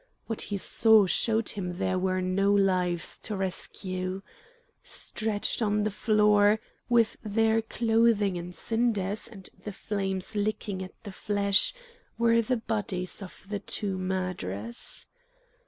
What he saw showed him there were no lives to rescue. Stretched on the floor, with their clothing in cinders and the flames licking at the flesh, were the bodies of the two murderers.